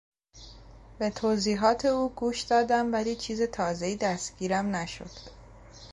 به توضیحات او گوش دادم ولی چیز تازهای دستگیرم نشد.